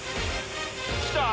来た？